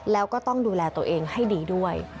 แล้วก็ต้องดูแลตัวเองให้ดีด้วย